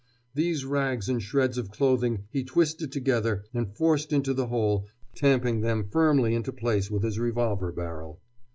These rags and shreds of clothing he twisted together and forced into the hole, tamping them firmly into place with his revolver barrel.